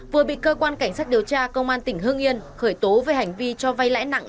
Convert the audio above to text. vừa bị cơ quan cảnh sát điều tra công an tỉnh hương yên khởi tố về hành vi cho vay lãi nặng